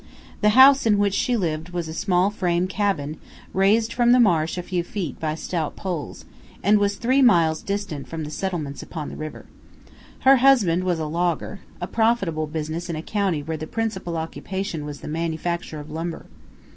The house in which she lived was a small frame cabin raised from the marsh a few feet by stout piles, and was three miles distant from the settlements upon the river. Her husband was a logger a profitable business in a county where the principal occupation was the manufacture of lumber.